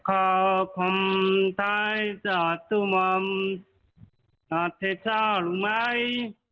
ครับพรภันถัยสาธุมั้มประเทศชาติรู้ไหม